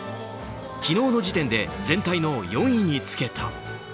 昨日の時点で全体の４位につけた。